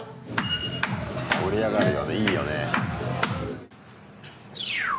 盛り上がるよねいいよね。